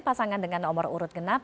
pasangan dengan nomor urut genap